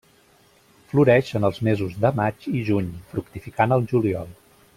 Floreix en els mesos de maig i juny, fructificant al juliol.